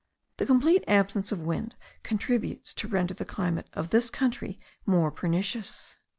The complete absence of wind contributes to render the climate of this country more pernicious.